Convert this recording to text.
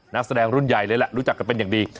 นักแสดงรุ่นใหญ่เลยแหละรู้จักกันเป็นอย่างดี